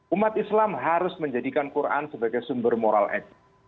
umat islam harus menjadikan quran sebagai sumber moral etik